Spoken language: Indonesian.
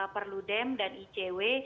perludem dan icw